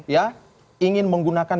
ya ingin menggunakan